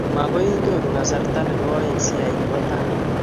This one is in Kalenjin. Magoi inyoru kasarta nebo aeng' siyai nebo tai